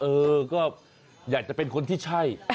เออก็อยากจะเป็นคนที่ใช่